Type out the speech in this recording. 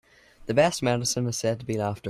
The best medicine is said to be laughter.